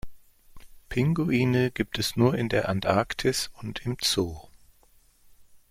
Pinguine gibt es nur in der Antarktis und im Zoo.